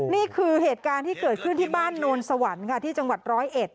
นี่คือเหตุการณ์ที่เกิดขึ้นที่บ้านโนนสวรรค์ค่ะที่จังหวัดร้อยเอ็ด